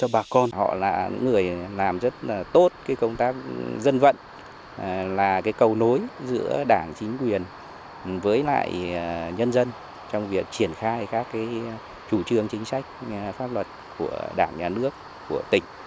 với lại nhân dân trong việc triển khai các chủ trương chính sách pháp luật của đảng nhà nước của tỉnh